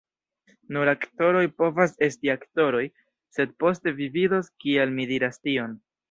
Nur aktoroj povas esti aktoroj. sed poste, vi vidos kial mi diras tion.